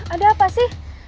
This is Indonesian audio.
ada apa sih